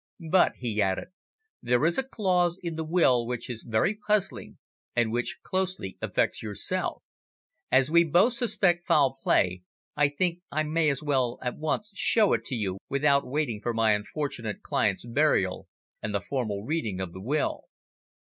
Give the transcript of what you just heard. But," he added, "there is a clause in the will which is very puzzling, and which closely affects yourself. As we both suspect foul play, I think I may as well at once show it to you without waiting for my unfortunate client's burial and the formal reading of his will."